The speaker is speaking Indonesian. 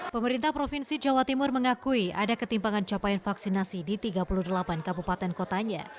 pemerintah provinsi jawa timur mengakui ada ketimpangan capaian vaksinasi di tiga puluh delapan kabupaten kotanya